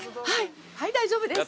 はい大丈夫です。